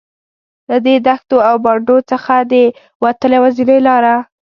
له دې دښتو او بانډو څخه د وتلو یوازینۍ لاره.